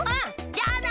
じゃあな！